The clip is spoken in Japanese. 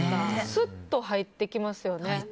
すっと入ってきますよね。